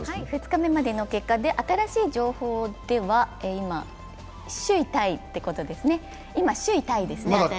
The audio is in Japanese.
２日目までの結果で新しい情報では今、首位タイということですね、新しい情報。